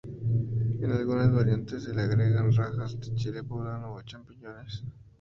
En algunas variantes se le agregan rajas de chile poblano o champiñones.